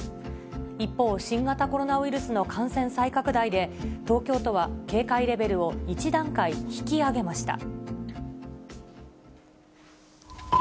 一方、新型コロナウイルスの感染再拡大で、東京都は警戒レベルを１段階引き上げました。